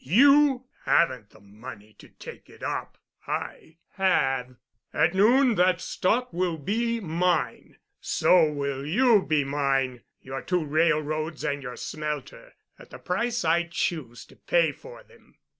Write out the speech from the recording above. You haven't the money to take it up. I have. At noon that stock will be mine, so will you be mine—your two railroads and your smelter, at the price I choose to pay for them."